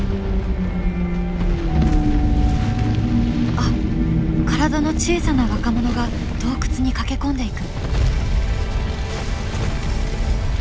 あっ体の小さな若者が洞窟に駆け込んでいく。